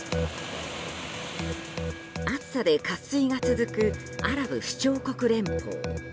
暑さで渇水が続くアラブ首長国連邦。